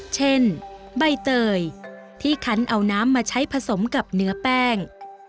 เช่นใบเตยที่คันเอาน้ำมาใช้ผสมกับเนื้อแป้ง